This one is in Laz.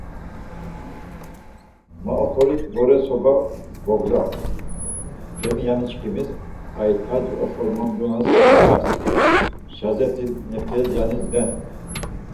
Ma oxoris bore soba bogzam Femi yaniçkimiz, Aytaci oxormondunas ibgarz, şazet̆i nafiyes yanis ren.